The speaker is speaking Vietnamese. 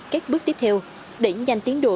các bước tiếp theo để nhanh tiến độ